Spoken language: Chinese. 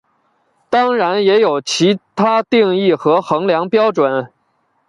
当然也有其它定义和衡量标准。